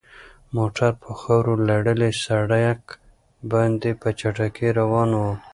موټر په خاورو لړلي سړک باندې په چټکۍ روان و.